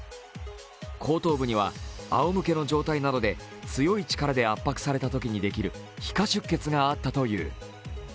後頭部にはあおむけの状態などで強い力で圧迫されたときにできる皮下出血があったという。